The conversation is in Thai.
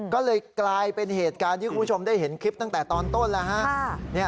ก็เลยกลายเป็นเหตุการณ์ที่คุณผู้ชมได้เห็นคลิปตั้งแต่ตอนต้นแล้วฮะ